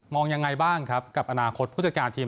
ยังไงบ้างครับกับอนาคตผู้จัดการทีม